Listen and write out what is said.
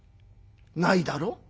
ないだろ？